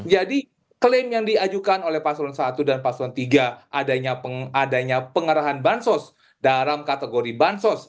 jadi klaim yang diajukan oleh pasulun i dan pasulun iii adanya pengarahan bansos dalam kategori bansos